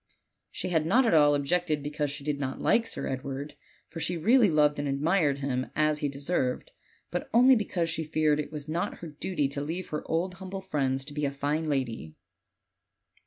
She had not at all ob jected because she did not like Sir Edward, for she really loved and admired him as he deserved, but only because she feared it was not her duty to leave her old humble friends to be a fine lady.